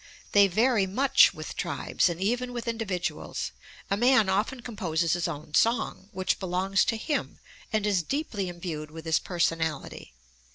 They vary much with tribes and even with individuals. A man often composes his own song, which belongs to him and is deeply imbued with his personality.